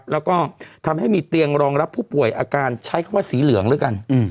แล้วก็ทำให้มีเตียงรองรับผู้ป่วยอาการใช้คำว่าสีเหลืองแล้วกัน